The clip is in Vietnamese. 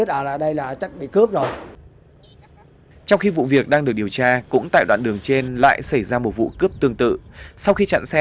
trong khi cướp đang được điều tra cũng tại đoạn đường trên lại xảy ra một vụ cướp tương tự sau khi chặn xe